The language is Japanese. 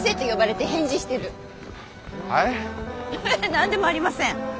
何でもありません。